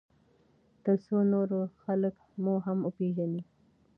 ترڅو نور خلک مو هم وپیژني.